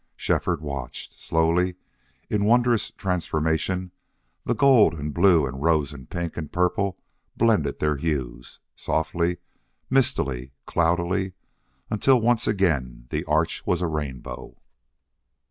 Shefford watched. Slowly, in wondrous transformation, the gold and blue and rose and pink and purple blended their hues, softly, mistily, cloudily, until once again the arch was a rainbow.